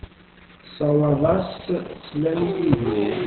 Ssawaḍ-as sslam i Yidir.